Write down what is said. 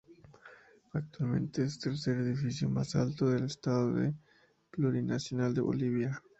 Actualmente es tercer edificio más alto del Estado Plurinacional de Bolivia.